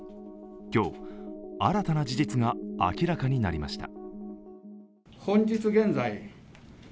今日、新たな事実が明らかになりました。